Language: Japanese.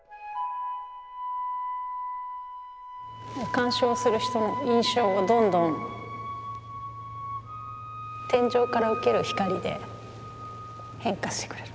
鑑賞する人の印象がどんどん天井から受ける光で変化してくれる。